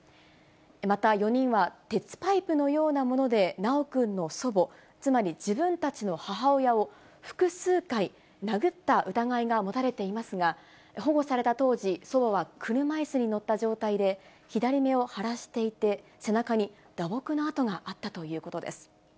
また４人は、鉄パイプのようなもので修くんの祖母、つまり自分たちの母親を、複数回殴った疑いが持たれていますが、保護された当時、祖母は車いすに乗った状態で、左目を腫らしていて、背中に打撲の痕があったということです。